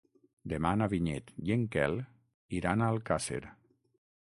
Demà na Vinyet i en Quel iran a Alcàsser.